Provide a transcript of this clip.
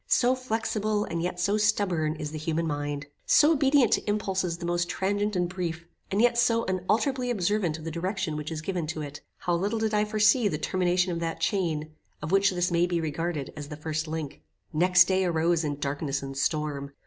So flexible, and yet so stubborn, is the human mind. So obedient to impulses the most transient and brief, and yet so unalterably observant of the direction which is given to it! How little did I then foresee the termination of that chain, of which this may be regarded as the first link? Next day arose in darkness and storm.